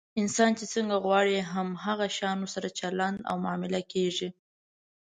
انسان چې څنګه غواړي، هم هغه شان ورسره چلند او معامله کېږي.